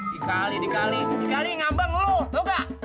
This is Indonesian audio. dikali dikali dikali ngambang lu tau gak